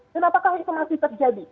apakah itu masih terjadi